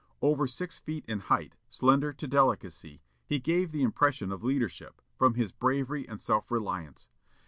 Over six feet in height, slender to delicacy, he gave the impression of leadership, from his bravery and self reliance.